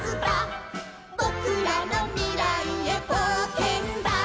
「ぼくらのみらいへぼうけんだ」